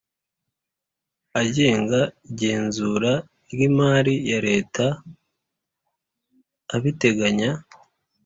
agenga igenzura ry imari ya Leta abiteganya